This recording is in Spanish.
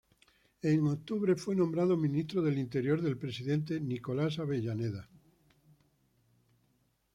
En octubre fue nombrado Ministro del Interior del presidente Nicolás Avellaneda.